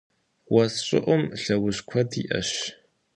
Уэс щӀыӀум лъэужь куэд иӀэщ.